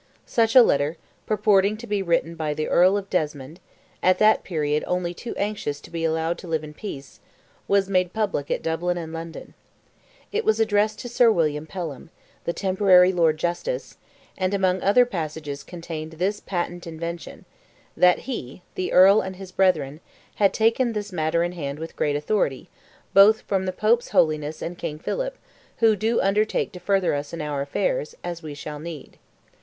Such a letter, purporting to be written by the Earl of Desmond—at that period only too anxious to be allowed to live in peace—was made public at Dublin and London. It was addressed to Sir William Pelham, the temporary Lord Justice, and among other passages contained this patent invention—that he (the Earl and his brethren) "had taken this matter in hand with great authority, both from the Pope's holiness and King Philip, who do undertake to further us in our affairs, as we shall need."